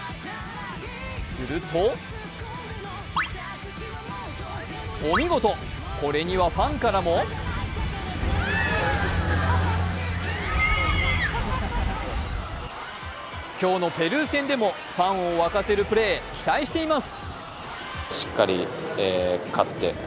するとお見事、これにはファンからも今日のペルー戦でもファンを沸かせるプレー、期待しています！